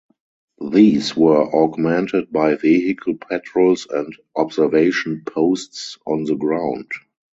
These were augmented by vehicle patrols and observation posts on the ground.